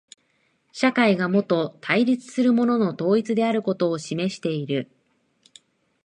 社会がもと対立するものの統一であることを示している。